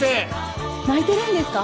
泣いてるんですか？